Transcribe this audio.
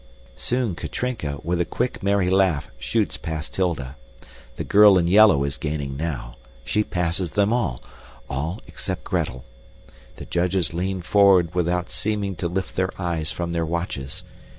Soon Katrinka, with a quick, merry laugh, shoots past Hilda. The girl in yellow is gaining now. She passes them all, all except Gretel. The judges lean forward without seeming to lift their eyes from their watches.